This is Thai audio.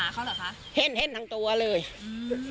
คือเห็นขาเขาหรอคะ